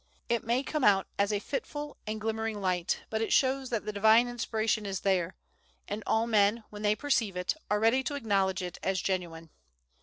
It may come out as a fitful and glimmering light, but it shows that the Divine inspiration is there, and all men, when they perceive it, are ready to acknowledge it as genuine.